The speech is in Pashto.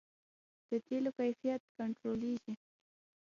د تیلو کیفیت کنټرولیږي؟